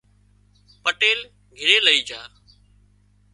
پٽيل گھري لئي جھا